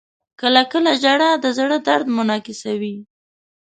• کله کله ژړا د زړه درد منعکسوي.